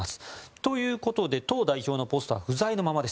ということで党の代表ポストは不在のままです。